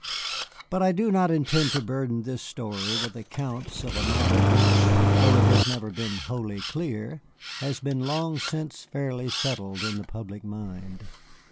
But I do not intend to burden this story with accounts of a matter which, though it has never been wholly clear, has been long since fairly settled in the public mind.